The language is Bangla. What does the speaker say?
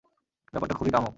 ব্যাপারটা খুবই কামুক।